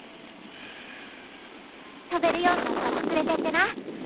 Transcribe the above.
飛べるようなったら連れてってな。